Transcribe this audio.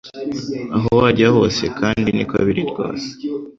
Aho wajya hose kandi niko biri rwose